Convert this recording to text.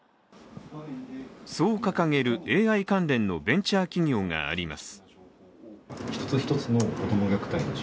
そう掲げるＡＩ関連のベンチャー企業があります